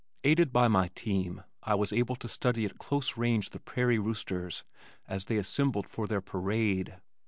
Aided by my team I was able to study at close range the prairie roosters as they assembled for their parade.